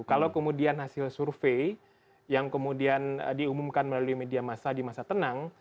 kalau kemudian hasil survei yang kemudian diumumkan melalui media massa di masa tenang